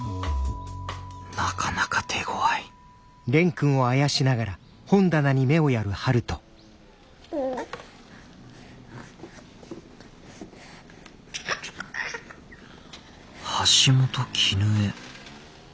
なかなか手ごわい橋本絹江。